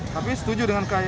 tapi setuju dengan kaya